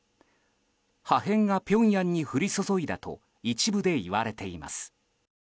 破片がピョンヤンに降り注いだと一部で言われています。